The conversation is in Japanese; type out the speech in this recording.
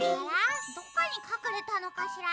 どこにかくれたのかしら。